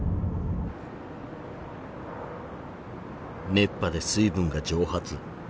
熱波で水分が蒸発。